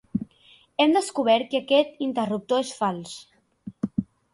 Hem descobert que aquest interruptor és fals.